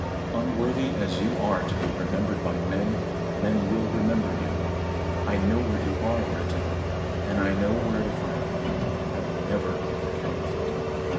Unworthy as you are to be remembered by men, men will remember you. I know where you are, Ayrton, and I know where to find you. I will never forget it!'